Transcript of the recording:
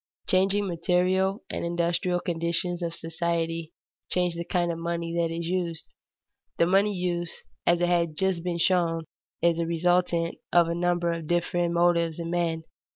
The changing material and industrial conditions of society change the kind of money that is used. The money use, as has just been shown, is a resultant of a number of different motives in men.